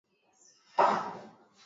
kwamba viongozi wa afrika waliwafeli